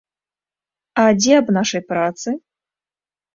А дзе аб нашай працы?